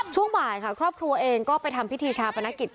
ช่วงบ่ายค่ะครอบครัวเองก็ไปทำพิธีชาปนกิจ